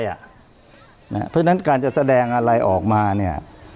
เพราะฉะนั้นการจะแสดงอะไรออกมาเนี่ย